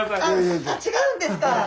あ違うんですか。